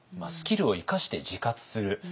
スキルを生かして自活する。